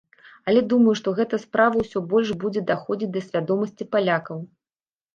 Але думаю, што гэта справа ўсё больш будзе даходзіць да свядомасці палякаў.